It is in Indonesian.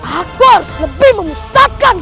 aku ouais bukan bebaslah karak